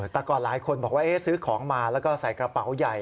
แต่ก่อนหลายคนบอกว่าซื้อของมาแล้วก็ใส่กระเป๋าใหญ่